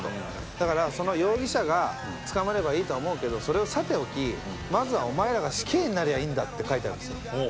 だから容疑者が捕まればいいとは思うけどそれはさておきまずはお前らが死刑になりゃいいんだって書いてあるんですよ。